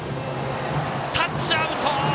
タッチアウト。